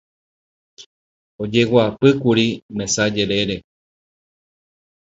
ojeguapýkuri mesa jerére